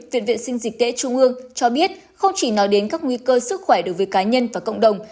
viện vệ sinh dịch tễ trung ương cho biết không chỉ nói đến các nguy cơ sức khỏe đối với cá nhân và cộng đồng